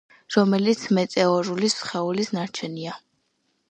რომელიც მეტეორული სხეულის ნარჩენია.